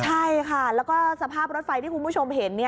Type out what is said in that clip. ใช่ค่ะแล้วก็สภาพรถไฟที่คุณผู้ชมเห็น